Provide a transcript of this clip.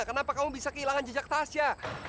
kenapa kamu bisa kehilangan jejak tasya